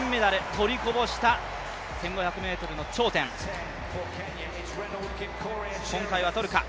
取りこぼした１５００ｍの頂点、今回はとるか。